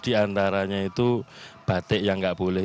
diantaranya itu batik yang enggak boleh